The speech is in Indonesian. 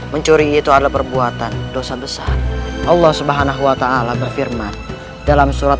mencuri itu ada perbuatan dosa besar allah subhanahu wa ta'ala berfirman dalam surat